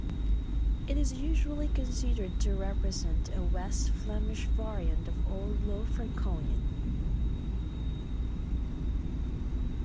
It is usually considered to represent a West Flemish variant of Old Low Franconian.